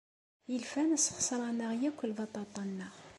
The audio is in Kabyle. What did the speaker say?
Ilfan sxeṣren-aɣ akk lbaṭaṭa-nneɣ.